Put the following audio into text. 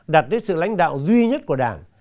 đạt đến sự lãnh đạo duy nhất của đảng